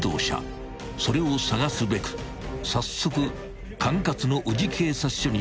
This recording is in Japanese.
［それを捜すべく早速管轄の宇治警察署に捜査員が集結］